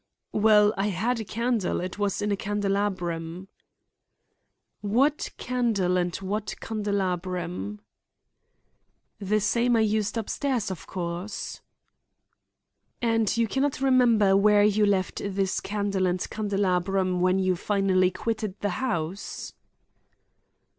"Well, I had a candle; it was in a candelabrum." "What candle and what candelabrum?" "The same I used upstairs, of course" "And you can not remember where you left this candle and candelabrum when you finally quitted the house?"